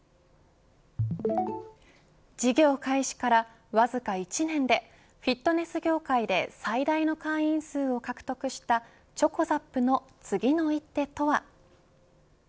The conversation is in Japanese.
事業開始からわずか１年でフィットネス業界で最大の会員数を獲得したｃｈｏｃｏＺＡＰの次の一手とは。